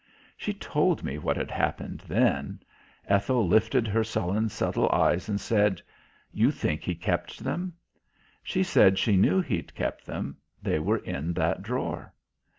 She told me what had happened then. Ethel lifted her sullen, subtle eyes and said, "You think he kept them?" She said she knew he'd kept them. They were in that drawer.